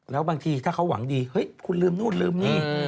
แล้วบางทีถ้าเขาหวังดีเฮ้ยคุณลืมนู่นลืมนี่